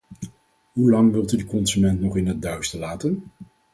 Hoe lang wilt u de consument nog in het duister laten?